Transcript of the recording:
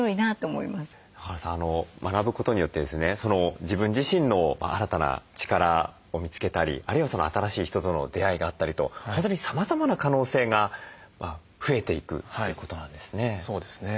中原さん学ぶことによってですね自分自身の新たな力を見つけたりあるいは新しい人との出会いがあったりと本当にさまざまな可能性が増えていくってことなんですね。